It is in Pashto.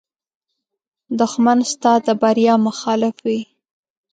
دښمن ستا د بریا مخالف وي